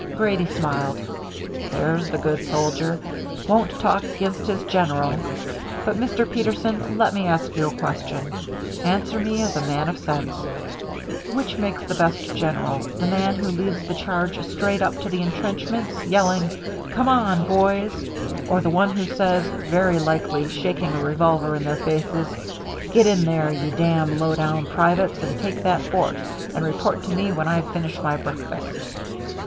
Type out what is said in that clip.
Grady smiled. "There's the good soldier. Won't talk against his general. But, Mr. Peterson, let me ask you a question; answer me as a man of sense. Which makes the best general the man who leads the charge straight up to the intrenchments, yellin': 'Come on, boys!' or the one who says, very likely shaking a revolver in their faces: 'Get in there, ye damn low down privates, and take that fort, and report to me when I've finished my breakfast'?